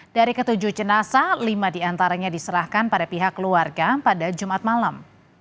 dari ketujuh jenazah lima diantaranya diserahkan pada pihak keluarga pada jumat malam